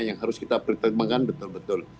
yang harus kita pertimbangkan betul betul